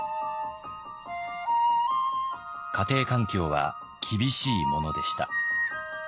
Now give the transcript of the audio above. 家庭環境は厳しいものでした。